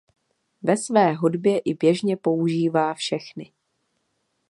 Ve své hudbě i běžně používá všechny.